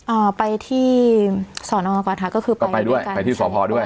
อ่าไปที่สอนองค์อากาศภาคก็คือไปด้วยกันไปที่สอบหอด้วย